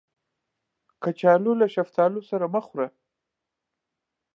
کچالو له شفتالو سره مه خوړه